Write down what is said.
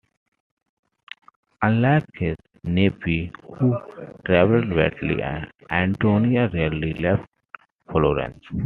Unlike his nephew, who travelled widely, Antonio rarely left Florence.